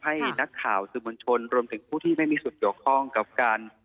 ให้นักข่าวสื่อมวลชนรวมถึงผู้ที่ไม่มีส่วนเกี่ยวข้องกับการ